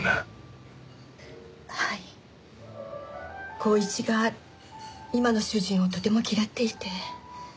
光一が今の主人をとても嫌っていて。